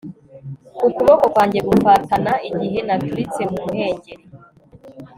ku kuboko kwanjye gufatana igihe naturitse mu muhengeri